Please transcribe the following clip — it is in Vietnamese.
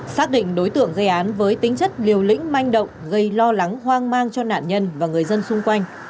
xác định đối tượng gây án với tính chất liều lĩnh manh động gây lo lắng hoang mang cho nạn nhân và người dân xung quanh